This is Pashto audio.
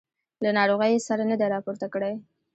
له ناروغۍ یې سر نه دی راپورته کړی.